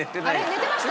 寝てました？